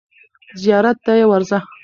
زیارت ته یې ورځه.